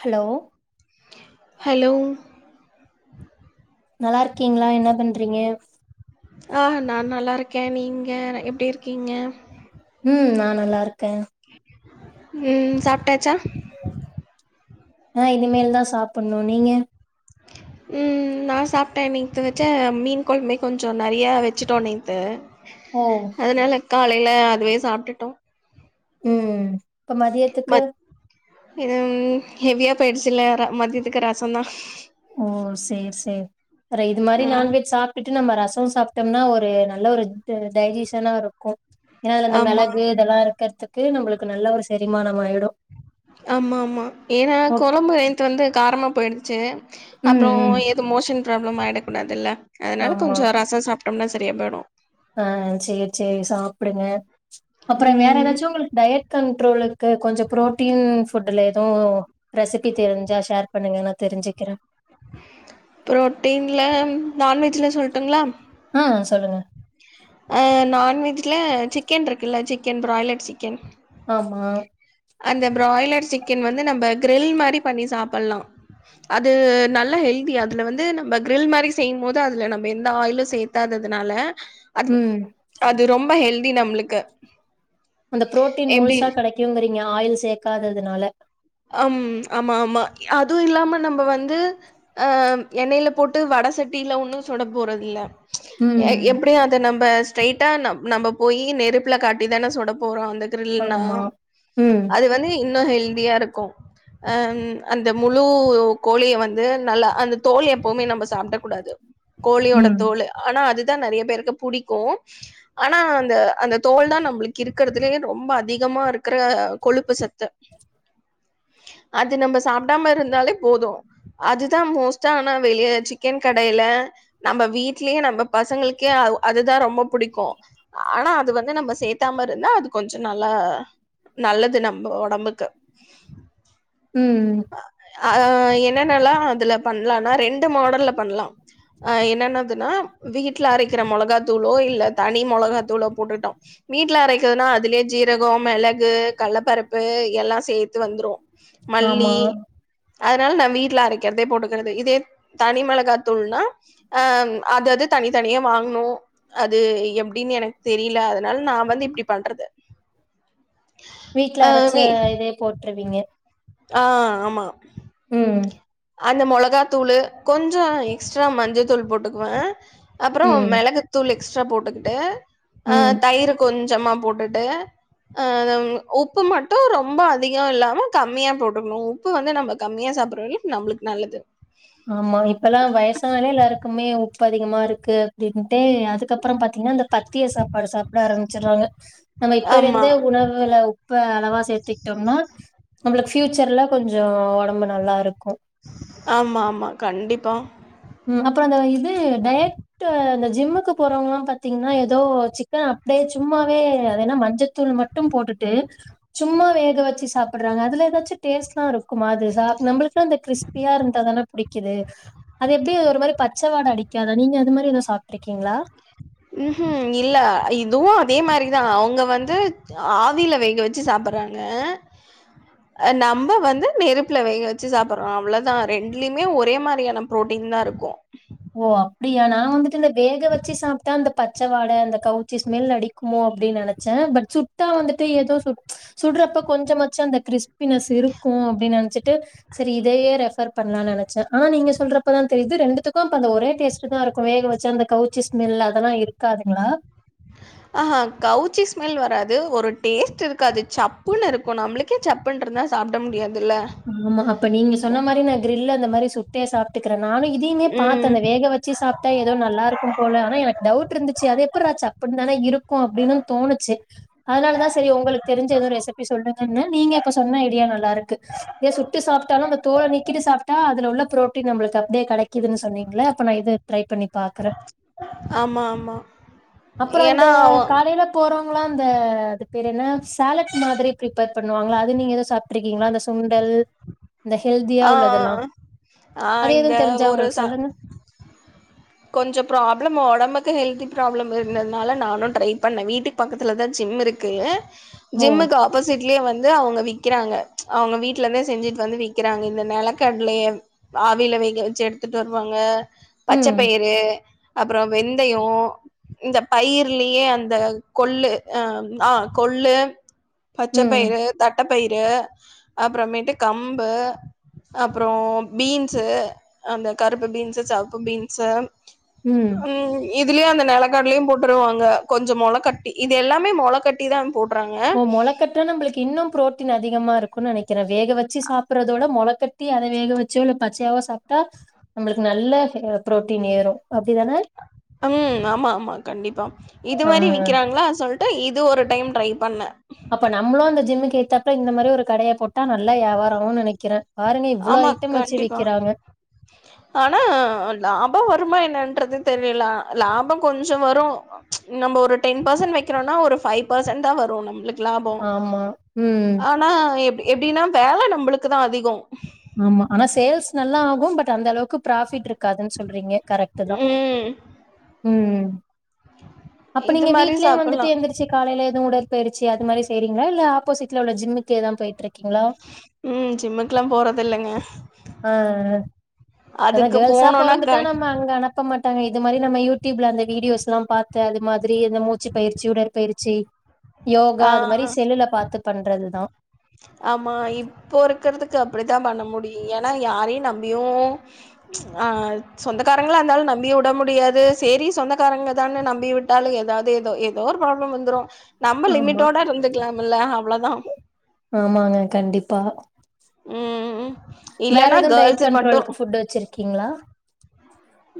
Hello hello நல்லா இருக்கிங்ளா என்ன பண்றிங்க ஆ ஹ நா நல்லா இருக்கே நீங்க எப்டி இருக்கீங்க ம் நா நல்லாருக்கே ம் சாப்ட்டாச்சா ஆ இனிமேல் தா சாப்பிட்ணு நீங்க ம் நா சாப்ட்டே நேத்து வெச்ச மீன் கொழம்பே கொஞ்ச நெறையா வெச்சுட்டோ நேத்து ஓ அதுனால காலைல அதுவே சாப்ட்டுட்டோ ம் இப்ப மதியத் மத் ம் ஹெவியா போயிடுச்சுல ர மதியத்துக்கு ரசந்தா ஓ சேரி சேரி ப்பற இது மாரி ஆ நான்வெஜ் சாப் ட்டுட்டு நம்ம ரச சாப்ட்டம்னா ஒரு நல்ல ஒரு ட டைஜிசனா இருக்கு ஏனா அதுல இந்த ஆமா மெளகு இதெல்லா இருக்கற்த்துக்கு நம்மளுக்கு நல்ல ஒரு செரிமானம் ஆயிடு அம்மாம்மா ஏனா ஓக் கொற த்து வந்து காரமா போயிடுச்சு ம் அப்றோ ம் எது மோஷன் ப்ராப்ளம் ஆயிடக் கூடாதுல்ல அதனால ஆமா கொஞ்ச ரச சாப்ட்டம்னா சரியா போயிடு ஆ சேரி சேரி சாப்டுங்க அப்பற வேற ம் எதாச்சு உங்களுக் டயட் கண்ட்ரோலுக்கு கொஞ்ச ப்ரோட்டீன் ஃபுட்டுல எதோ ரெசிபி தெரிஞ்சா ஷேர் பண்ணுங்க நா தெரிஞ்சுக்கிறே புரோட்டீன்ல நான்வெஜ்ல சொல்லுட்டுங்ளா ஆ சொல்லுங்க அ நான்வெஜ்ஜுல சிக்கன் இருக்குல்ல சிக்கன் ப்ராய்லட் சிக்கன் ஆமா அந்த ப்ராய்லர் சிக்கன் வந்து நம்ப கிரில் மாரி பண்ணி சாப்பிட்லா அது நல்ல ஹெல்தி அதுல வந்து நம்ப கிரில் மாரி செய்யும் போது அதுல நம்ப எந்த ஆயிலு சேத் தாததுனால அது ம். அது ரொம்ப ஹெல்தி நம்மளுக்கு அந்த புரோட்டீன் முழுசா கெடைக்குங்கிறிங்க ஆயில் சேக்காததுனால அம் ஆமா ஆமா அதுவு இல்லாம நம்ப வந்து அ எண்ணெய்ல போட்டு வட சட்டில ஒன்னு சுட போறதில்ல ம். எ எப்டியா து நம்ப ஸ்ட்ரைட்டா நம் நம்ம போயி நெருப்புல காட்டி தான சுடப போறோ அந்த திரில்லுனா ஆமா. ம். அது வந்து இன்னு ஹெல்தியா இருக்கு அ அந்த முழு கோழிய வந்து நல்லா அந்த தோல் வந்து எப்போமே நம்ம சாப்ட கூடாது கோழியோட ம். தோல் ஆனா அதுதா நெறைய பேருக்கு புடிக்கு ஆனா அந்த அந்த தோல் தா நம்ளுக்கு இருக்கிறதுலயே ரொம்ப அதிகமா இருக்கற கொழுப்பு சத்து அது நம்ம சாப்டாம இருந்தாலே போது அதுதா மோஸ்ட்டா ஆனா வெளிய சிக்கன் கடைல நம்ம வீட்லயே நம்ம பசங்களுக்கே அதுதா ரொம்ப புடிக்கு ஆனா அது வந்து நம்ம சேத்தாம இருந்தா அது கொஞ்ச நல்லா நல்லது நம்ப ஒடம்புக்கு உம் அ என்னன்னாலா அதுல பண்லனா ரெண்டு மாடல்ல பண்லா அ என்ன என்னதுன்னா வீட்ல அரைக்கிற மொளகாத்தூளோ இல்ல தனி மொளகாய்த்தூளோ போட்டுட்டோ வீட்ல அரைக்குதுனா அதுலயே ஜீரகோ மெளகு கல்லப்பருப்பு எல்லா சேத்து வந்துரு ஆமா. மல்லி அதனால நா வீட்ல அரைக்கிறதே போட்டுக்கறது இதே தனி மொளகாத்தூள்னா அ அது அது தனி தனியே வாங்னு அது எப்டின்னு எனக் தெரில அதனால நா வந்து இப்டி பண்றது வீட்ல ஆ அரச்ச வே இதே போட்ருவிங்க ஆ ஆமா ம் அந்த மொளகா தூளு கொஞ்சோ எக்ஸ்ட்ரா மஞ்சத்தூள் போட்டுக்வே அப்றோ ம். மெளகுத்தூள் எக்ஸ்ட்ரா போட்டுக்ட்டு அ ம். தயிர் கொஞ்சமா போட்டுட்டு அ உப்பு மட்டு ரொம்ப அதிக இல்லாம கம்மியா போட்டுக்ணு உப் பு வந்து நம்ம கம்மியா சாப்றது நம்ளுக்கு நல்லது ஆமா இப்பல்லா வயசாலே எல்லாருக்குமே உப்பு அதிகமா இருக்கு அப்டின்ட்டு அதுக்கப்றோ பாத்தீங்னா அந்த பத்திய சாப்பாடு சாப்ட ஆரம்பிச்சறாங்க நம்ம இப்பல ஆமா இருந்தே உணவுல உப்ப அளவா சேத்துக்ட்டோம்னா நம்ளுக்கு பியூச்சர்ல கொஞ்சோ ஒடம்பு நல்லா இருக்கு ஆம்மா ஆம்மா கண்டிப்பா உம் அப்றோ அந்த இது டய ட்டு அந்த ஜிம்முக்கு போறவங்களா பாத்தீங்கனா ஏதோ சிக்கன் அப்டியே சும்மாவே என்ன மஞ்சத்தூள் மட்டு மட்டு போட்டுட்டு சும்மா வேக வெச்சு சாப்பர்றாங்க அதுல ஏதாச்சு டேஸ்ட்டாருக்கு மா அது சா நம்மளுக்குலா அந்த கிரிஸ்பியா இருந்தாதான புடிக்குது அது எப்டி ஒரு மாதி பச்ச வாட அடிக்காதா நீங்க அது மாரி எதா சாப்டுருக்கீங்ளா ம்ஹும் இல்ல இதுவு அதே மாரிதா அவுங்க வந்து ஆவில வேக வெச்சு சாப்பறாங்க நம்ம வந்து நெருப்புல வேக வெச்சு சாப்பர்றோ அவ்ளோதா ரெண்டுலயுமே ஒரே மாரியான ப்ரோட்டீன் தா இருக்கு ஓ அப்டியா நா வந்துட்டு இந்த வேக வெச்சு சாப்ட்டா அந்த பச்சவாட அந்த கவுச்சி ஸ்மேல் அடிக்குமோ அப்டின்னு நெனச்சே பட் சுட்டா வந்துட்டு எதோ சு சுடுறப்ப கொஞ்சமாச்சு அந்த கிறிஸ்பினஸ் இருக்கு அப்டினு நெனச்சிட்டு சரி இதயே ரெஃபர் பண்லானு நெனச்சே ஆனா நீங்க சொல்றப்பதா தெரிது ரெண்டுத்துக் க்கு அந்த ஒரே டேஸ்ட் தா இருக்கு வேக வெச்சா அந்த கவுச்சி ஸ்மெல் அதெல்லா இருக்காதுங்ளா ஆஹா கவுச்சி ஸ்மெல் வராது ஒரு டேஸ்ட் இருக்காது சப்புன்னு இருக்கு நம்ளுக் கே சப்புன்றந்தா சாப்ட முடியாதுல்ல ஆமா அப்ப நீங்க சொன்ன மாரி நா கிரில்ல அந்த மாரி சுட்டே சாப் டுக்குறே நானு இதையுமே பாத்தே ம் அந்த வேக வச்சு சாப் டா எதோ நல்லா இருக்கும் போல ஆனா எனக்கு டவுட் இருந்துச்சி அதெப்புர்றா சப்புன் தான இருக்கு அப்டினு தோணுச்சி அதுனாலதா செரி ஒங்களுக் தெரிஞ்ச எதுவு ரெசிபி சொல்லுங்கன்னு நீங்க இப்ப சொன்ன ஐடியா நல்லாருக்கு தே சுட்டு சாப்டாலு அந்த தோல நீக்கிட்டு சாப்டா அதுல உள்ள புரோட்டீன் நம்ளுக்கு அப்டியே கெடைக்குதுன்னு சொன்னீங்ள அப்ப நா இது ட்ரை பண்ணி பாக்குற ஆமா ஆமா அப்புறோ ஏன்னா அந்த அவ காலைல போறவங்களா அந்த அது பேர் என்ன சேலட் மாதிரி பிரிப்பேர் பண்ணுவாங்ள அது நீங்க எது சாப்ட்ருக்கீங்ளா அந்த சுண் டல் இந்த ஹெல்தியா ஆ உள்ளதெல்லா ஆ அது எது இந்த தெரிஞ்சா ஒரு ஒங்களுக் ச சொல்லுங்க கொஞ்சோ ப்ராப்ளம் ஒடம்புக்கு ஹெல்தி ப்ராப்ளம் இருந்ததுனால நானு ட்ரை பண்ண வீட்டு பக்கத்துலதா ஜிம் இருக்கு ஓ ஜிம்முக்கு ஆப்போசீட்லயே வந்து அவங்க விக்கிறாங்க அவங்க வீட்லந்தே செஞ்சிட் வந்து விக்கிறாங்க இந்த நெலக்கட்லைய ஆவீல வேக வச்சி எடுத்துட்டு வருவாங்க ம் பச்சப் ஏ அப்பறோ வெந்தயோ இந்த பயிர்லயே அந்த கொள்ளு அ ஆ கொள்ளு ம் பச்சப்பயிறு தட்டப்பயிறு அப்றமேட்டு கம்பு அப்றோ பீன்ஸு அந்த கருப்பு பீன்ஸு செவப்பு பீன் ஸு ம் உம் இதுலயு அந்த நெலக்கடலயு போட்டுருவாங்க கொஞ்சொ மொளக்கட்டி இது எல்லாமே மொளக்கட் டிதான் போட்றாங்க தா நம்ளுக்கு இன்னு புரோட்டீன் அதிகமா இருக்கு நெனைக்கிறே வேக வச்சி சாப்புறதோட மொளக்கட் டி அத வேக வச்சோ இல்ல பச்சயாவோ சாப்டா நம்ளுக்கு நல்ல அ புரோட்டீன் ஏறூ ம் ஆமா ஆமா கண்டிப்பா இது ஆ மாரி விக்கிறாங்ளா சொல் டு இது ஒரு டைம் ட்ரை பண்ண அப்ப நம்மளூ அந்த ஜிம்முக்கு எதுத்தாப்ல இந்த மாரி ஒரு கடைய போட்டா நல்லா யாவாராகு நெனைக்கிறே பாருங்க இவ்ளோ ஆமா ஐட்டம் வச்சி கண்டிப்பா விக்கிறாங்க ஆனா லாபோ வருமா என்னான்றது தெரியல லாபோ கொஞ்சொ வரூ நம்ம ஒரு டென் பர்சன்ட் வக்கிறோனா ஒரு ஃபைவ் பர்சன்ட்தா வரு நம்ளுக் க்லாபோ ஆமா ம் ஆனா எப் எப்டினா வேல நம்ளுக்குதா அதிகோ ஆமா ஆனா சேல்ஸ் நல்லா ஆகூ பட் அந்த அளவுக்கு ப்ராஃபிட் இருக்காதுன் சொல்றீங்க கரெக்ட்டு தா ம் ம் அப்ப இது நீங்க மாரி வீட்லயே வந்துட்டு சாப்பலா எந்திரி சி காலைல ஏது உடற்பயிற்சி அது மாரி செய்றீங்ளா இல்ல ஆப்போசீட்ல உள்ள ஜிம்முக்கேதா போயிட்ருக்கீங்ளா ம் ஜிம்முக்லா போறதில்லங்க ஆ ஆ அதா கேள்ஸா போனோனா பொறந்துட்டா கரெ நம்ம அங்கனா ப்ப மாட்டாங்க இதுமாரி நம்ம யூடியூப்ல அந்த வீடியோஸ்லா பாத்து அது மாதிரி எது மூச்சி பயிற்சி உடற்பயிற்சி யோகா ஆ அது மாரி செல்லுல பாத்து பண்றதுதா ஆமா இப்போ இருக்குறதுக்கு அப்டித்தா பண்ண முடியு ஏனா யாரையு நம்பியு ஆ சொந்தக்காரங்களா இருந்தாலு நம்பியு உட முடியாது சேரி சொந்தக்காரங்கதான்னு நம்பி விட்டாலு ஏதாவது ஏதோ ஏ தோ ஒரு ப்ராப்ளம் வந்துரு நம்ம ஆமா லிமிட்டோட இருந்துக்லாமில்ல அவ்ளோதா ஆமாங்க கண்டிப்பா ம் ம் ம் வேற எது டயட் கண்ட்ரோலுக்கு ஃபுட் வச்சிருக்கீங்ளா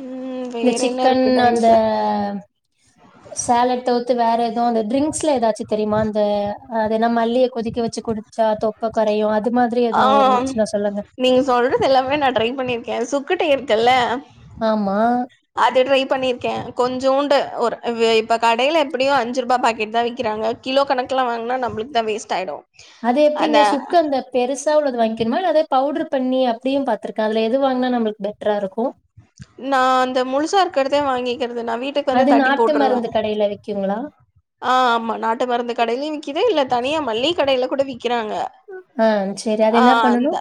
ம் இந்த வேற என்ன சிக்கன் இருக்கு அந்த டைப்பு? சேலட் தவுத்து வேற எது அந்த டிரிங்க்ஸ்ல எதாச்சி தெரியுமா அந்த அதென மல்லிய கொதிக்க வச்சி குடிச்சா தொப்ப கொறையு அது மாதிரி ஆ. எதுவு இருந்துச்னா சொல்லுங்க நீங்க சொல்றது எல்லாமே நா ட்ரை பண்ணிருக்கே சுக்கு டீ இருக்குல்ல ஆமா அது ட்ரை பண்ணிர்க்கே கொஞ்சோண்டு ஒரு இது இப்ப கடைல எப்டியு அஞ்சு ரூபா பாக்கெட் தா விக்கிறாங்க கிலோ கணக்ல வாங்னா நம்ளுக்கு தா வேஸ்ட் ஆய்டூ அது எப்டிங்க சுக்கந்த பெருசா உள்ளது வாங்கினுமா இல்ல அத பவுட்ரு பண்ணி அப்டியு பாத்துருக்க அதுல எது வாங்னா நம்ளுக்கு பெட்ரா இருக்கூ நா அந்த முழுசாருக்கறதே வாங்கிக்கறது நா வீட் அது நாட்டு மருந்து கடைல விக்குங்ளா ஆ ஆமா நாட்டு மருந்து கடைலயு விக்குது இல்ல தனியா மள்ளிய கடைல கூட விக்கிறாங்க ஆ சரி அது ஆ என்ன பண்ணனு அந்த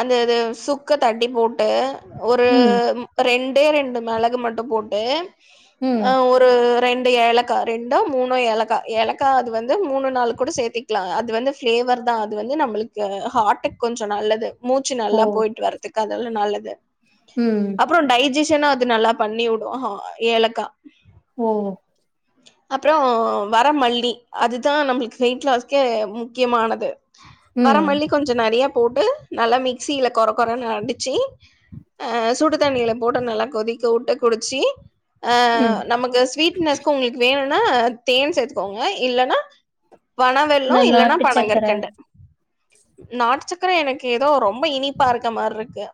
அந்த இது சுக்க தட்டி போட்டு ஒரு ம் ரெண்டே ரெண்டு மெளகு மட்டு போட்டு ம் அ ஒரு ரெண்டு ஏலக்கா ரெண் டோ மூணோ ஏலக்கா ஏலக்கா அது வந்து மூணு நாலூ கூட சேத்திக்லா அது வந்து ஃப்ளேவர் தா அது வந்து நம்மளுக் கூ ஹாட்டுக் கொஞ்ச நல்லது மூச்சு ஓ நல்லா போயிட்டு வர்றதுக்கு அதெல்லா நல்லது ம் அப்றோ டைஜிஷன அது நல்லா பண்ணி வுடூ அஹா ஏலக்கா ஓ அப்றோ வரமல்லி அதுதா நம்ளுக்கு வெயிட்லாஸ்கே முக்கியமானது ம் வரமல்லி கொஞ்சோ நறைய போட்டு நல்லா மிக்சில கொற கொறன்னு அடிச்சு அ சுடு தண்ணில போட்டு நல்லா கொதிக்க வுட்டு குடிச்சு அ ம் நமக்கு ஸ்வீட்னஸ்க் உங்களுக்கு வேணுனா தேன் சேத்துக்கோங்க இல்லன்னா பன வெல்லோ நா இல்லன்னா நாட்டு சக்கர பனங்‌கற்கன்டு நாட்டு சக்கர எனக்கு ஏதோ ரொம்ப இனிப்பா இருக்க மார்ருக்கு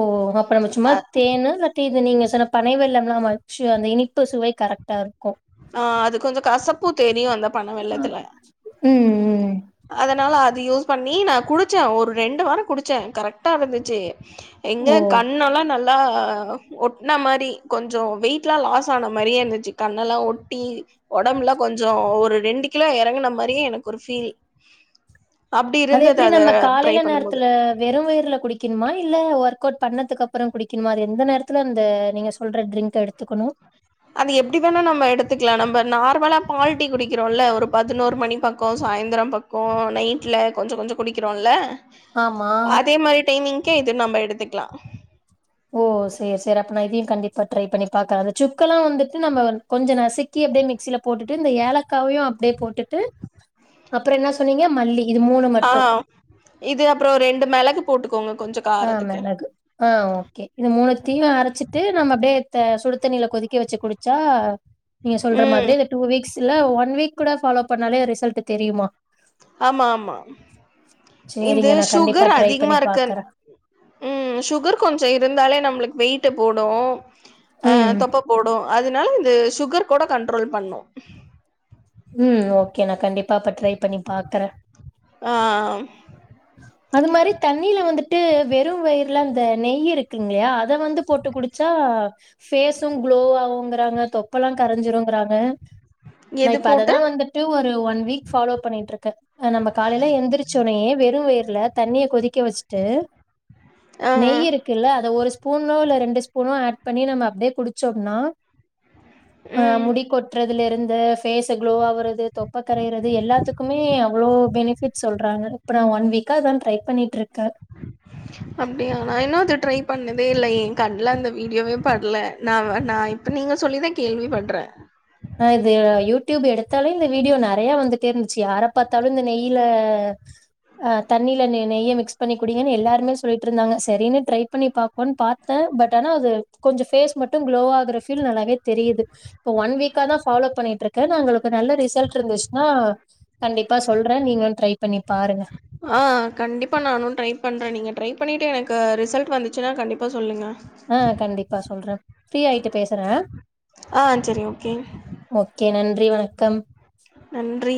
ஓ அப்பறமா சும்மா அ தேனு இல்ல தீக்கு இது நீங்க சொன்ன பனை வெல்லம்லா வச்சு அந்த இனிப்பு சுவை கரெக்ட்டா இருக்கொ ஆ அது கொஞ்சோ கசப்பூ தெரிய வந்த பன வெல்லத்துல ம் ம் அதனால அது யூஸ் பண்ணி நா குடிச்ச ஒரு ரெண்டு வாரோ குடிச்ச கரெக்ட்டா இருந்துச்சு எங்க ஓ கண்ணெல்லா நல் லா ஒட்ன மாரி கொஞ்சோ வெயிட்லா லாஸானா மாரியே இருந்துச்சு கண்ணெலா ஒட் டி ஒடம்புல கொஞ்சோ ஒரு ரெண்டு கிலோ எறங்குன மாரியே எனக்கு ஒரு ஃபீல் அப்டி அது இருந்தது எப்டி அத நம்ம ட்ரை காலேல பண்ணும்போது நேரத்துல வெறு வயிர்ல குடி க்கணுமா இல்ல ஒர்க் அவுட் பண்ணதுக்கப்பறோ குடிக்குணுமா ரொம்ப நேரத்துல அந்த நீங்க சொல்ற ட்ரிங்க் எடுத்துக்கணு அது எப்டி வேணா நம்ம எடுத்துக்கலா நம்ப நார்மலா பால்ட்டீ குடிக்கிறோல்ல ஒரு பதினோரு மணி பக்கோ சாய்ந்திரம் பக் கோ நைட்ல கொஞ்ச கொஞ்சோ குடிக்கிறோல்ல ஆமா அதே மாரி டைமிங்க்கே இது நம்ம எடுத்துக்கலா ஓ செரி செரி அப்ப நா இதையு கண்டிப்பா ட்ரை பண்ணி பாக்கறே அந்த சுக்கெல்லா வந்துட்டு நம்ம கொஞ்சோ நசுக்கி அப்டியே மிக்சில போட்டுட்டு ஏலக்காவையு அப்டியே போட்டுட்டு அப்றோ என்ன சொன்னீங்க மல்லி இது மூணு ஆ மட்டு இது அப்றோ ரெண்டு மெளகு போட்டுக்கோங்க கொஞ்ச ஆ மெளகு ஆ ஓக்கே இது மூணுத்தையு நா அரச்சிட்டு நம்ம அப்டியேத்த சுடுத்தண்ணீல கொதிக்க வச்சு குடிச்சா நீங்க சொல்ற ம் மாதிரி இந்த டூ வீக்ஸ் இல்ல ஒன் வீக் கூட ஃபாலோ பண்ணாலே ரிசல்ட்டு தெரியுமா ஆமா ஆமா சேரிங்க இந்து நா கண்டிப்பா சுகர் ட்ரை பண்ணி அதிகமாருக்கன் பாக்குறே ம் சுகர் கொஞ்சொ இருந்தாலே நம்ளுக்கு வெயிட்டு போடூ அ ம் தொப்ப போடூ அதனால இது சுகர் கூட கண்ட்ரோல் பண்ணூ ம் ஓக்கே நா கண்டிப்பா அப்ப ட்ரை பண்ணி பாக்கறே ஆ அது மாரி தண்ணில வந்துட்டு வெறு வயிர்ல அந்த நெய் இருக்குங்ளயா அத வந்து போட்டு குடுத் ச்சா ஃபேசு க்ளோ ஆவுங்கறாங்க தொப்பல்லா கரைஞ்சிருங்கறாங்க நா எது இப்ப போட்டு அததா வந்துட்டு ஒரு ஒன் வீக் ஃபாலோ பண்ணிட்ருக்க நம்ப காலைல எந்திரிச்சோனே வெறும் வயிர்ல தண்ணிய கொதிக்க வச்சுட்டு ஆ ஆ நெய் இருக்குல்ல அத ஒரு ஸ்பூனோ இல்ல ரெண்டு ஸ்பூனோ ஆட் பண்ணி நம்ம அப்டியே குடிச்சம்னா ஆ ம் முடி கொட்றதுல இருந்து ஃபேஸ க்ளோ ஆகறது தொப்ப கரையறது எல்லாத்துக்குமே அவ்ளோ பெனிஃபிட் சொல்றாங்க அப்றோ ஒன் வீக்கா இதா ட்ரை பண்ணிட்ருக்க அப்யாடி நா இன்னு‌ அத ட்ரை பண்ணதே இல்லயே எ கண்ல அந்த வீடியோவே படல நா நா இப்ப நீங்க சொல்லி தா கேள்வி பட்ற ஆ இது யூடியூப் எடுத்தாலே இந்த வீடியோ நறைய வந்துட்டே இருந்துச்சு யார பாத்தாலு இந்த நெய்ல ஆ தண்ணில ந நெய்ய மிக்ஸ் பண்ணி குடிங்கன்னு எல்லாருமே சொல்லிட்டு இருந்தாங்க சரின்னு ட்ரை பண்ணி பாப்போன் பாத்த பட் ஆனா அது கொஞ்சோ ஃபேஸ் மட்டு க்ளோ ஆகுற ஃபீல் நல்லாவே தெரியுது இப்ப ஒன் வீக்கா தா ஃபாலோப் பண்ணிட்ருக்க நா உங்களுக்கு நல்ல ரிசல்ட் இருந்துச்சுன்னா கண்டிப்பா சொல்ற நீங்களு ட்ரை பண்ணி பாருங்க ஆ கண்டிப்பா நானு ட்ரை பண்ற நீங்க ட்ரை பண்ணிட்டு எனக்கு ரிசல்ட் வந்துச்சுன்னா கண்டிப்பா சொல்லுங்க ஆ கண்டிப்பா சொல்ற ஃப்ரீ ஆயிட்டு பேசற ஆ சரி ஓகே ஓகே நன்றி வணக்கம் நன்றி